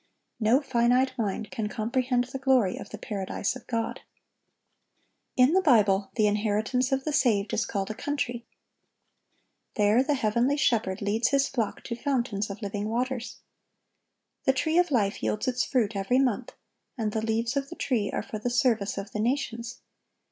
No finite mind can comprehend the glory of the Paradise of God. In the Bible the inheritance of the saved is called a country.(1180) There the heavenly Shepherd leads His flock to fountains of living waters. The tree of life yields its fruit every month, and the leaves of the tree are for the service of the nations.